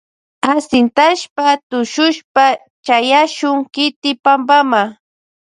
Ashintashpa tushushpa chayashun kiti pampama.